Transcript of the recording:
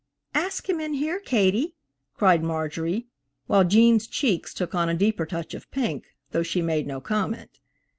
"Ask him in here, Katie," cried Marjorie, while Gene's cheeks took on a deeper touch of pink, though she made no comment.